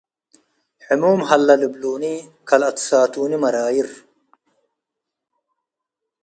ሕሙም ሀለ ልብሉኒ ከለአትሳቱኒ መረይር